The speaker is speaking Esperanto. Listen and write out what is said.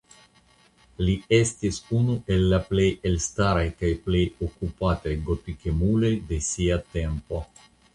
Li estis unu el la plej elstaraj kaj plej okupataj gotikemuloj de sia tempo.